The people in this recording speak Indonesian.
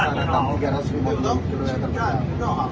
kita memang belikan pesan retang tiga ratus lima puluh km per jam